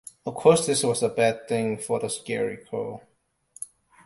Of course this was a bad thing for the Scarecrow.